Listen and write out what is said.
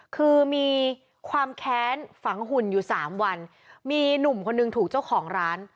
คือมีความแค้นฝังหุ่นอยู่สามวันมีหนุ่มคนนึงถูกเจ้าของร้าน